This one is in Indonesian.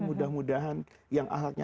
mudah mudahan yang ahlaknya